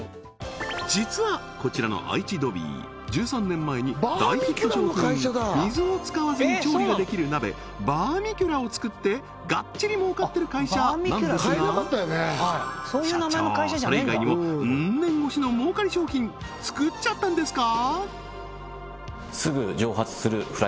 実はこちらの愛知ドビー１３年前に大ヒット商品水を使わずに調理ができる鍋バーミキュラを作ってがっちり儲かってる会社なんですが社長それ以外にもウン年越しの儲かり商品作っちゃったんですか？